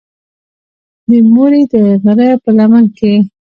د مورې د غرۀ پۀ لمن کښې